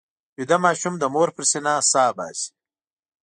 ویده ماشوم د مور پر سینه سا باسي